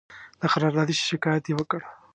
د قراردادي شکایت یې وکړ.